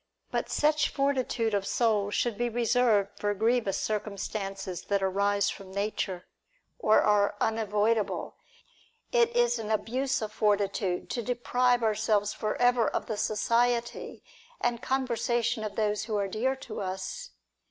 But such fortitude of soul should be reserved for grievous circumstances that arise from nature, or are unavoidable ; it is an abuse of forti tude to deprive ourselves for ever of the society and conversation of those who are dear to us.